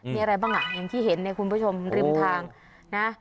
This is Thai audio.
มีอะไรบ้างอ่ะอย่างที่เห็นเนี่ยคุณผู้ชมริมทางนะ